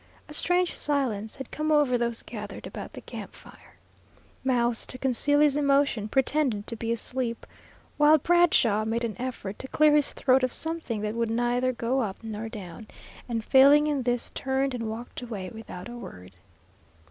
A strange silence had come over those gathered about the camp fire. Mouse, to conceal his emotion, pretended to be asleep, while Bradshaw made an effort to clear his throat of something that would neither go up nor down, and failing in this, turned and walked away without a word.